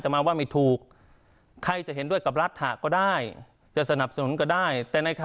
แต่มาว่าไม่ถูกใครจะเห็นด้วยกับรัฐะก็ได้จะสนับสนุนก็ได้